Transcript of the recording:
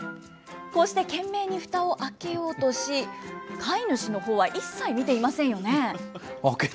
こうして懸命にふたを開けようとし、飼い主のほうは一切見ていませんよね。